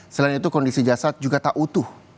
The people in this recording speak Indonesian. selain itu kondisi jasad juga tak utuh